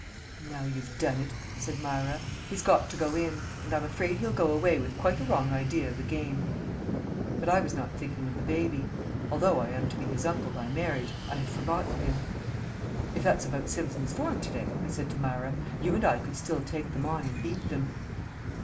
"Now you've done it," said Myra. "He's got to go in. And I'm afraid he'll go away with quite a wrong idea of the game." But I was not thinking of the baby. Although I am to be his uncle by marriage I had forgotten him. "If that's about Simpson's form to day," I said to Myra, "you and I could still take them on and beat them."